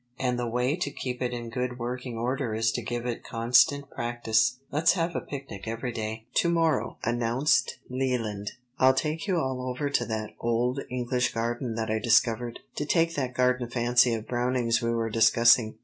And the way to keep it in good working order is to give it constant practice. Let's have a picnic every day." "To morrow," announced Leland, "I'll take you all over to that old English garden that I discovered, to take that Garden fancy of Browning's we were discussing."